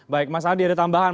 baik mas adi ada tambahan